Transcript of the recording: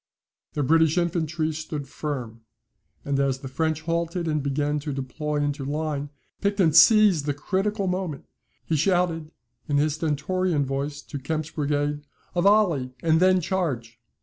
The British infantry stood firm; and as the French halted and began to deploy into line, Picton seized the critical moment. He shouted in his stentorian voice to Kempt's brigade: "A volley, and then charge!"